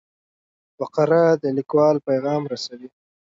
فقره د لیکوال پیغام رسوي.